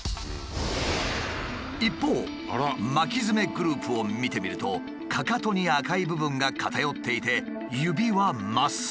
一方巻きヅメグループを見てみるとかかとに赤い部分が偏っていて指は真っ青。